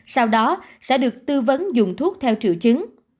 sau đó sẽ được tư vấn dùng thuốc theo triệu chứng